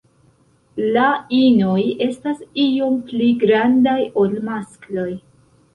La inoj estas iom pli grandaj ol maskloj.